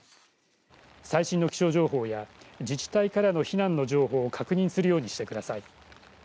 最新の気象情報や自治体からの避難の情報を確認するようにしてください。